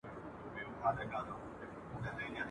په پردي جنگ كي بايللى مي پوستين دئ !.